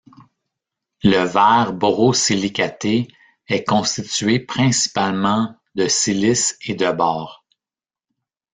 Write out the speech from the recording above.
Le verres borosilicaté est constitué principalement de silice et de bore.